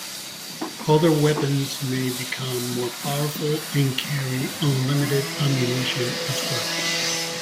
Other weapons may be more powerful and carry unlimited ammunition as well.